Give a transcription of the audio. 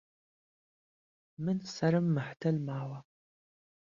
من سهرم مهحتهل ماوه